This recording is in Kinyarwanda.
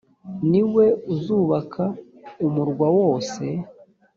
ni we uzubaka umurwa wose